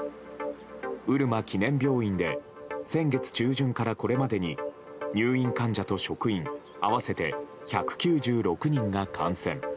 うるま記念病院で先月中旬からこれまでに入院患者と職員合わせて１９６人が感染。